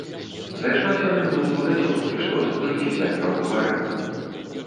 Зайшлася на мінутку да цёткі, што служыць з дзядзькам у дварэ.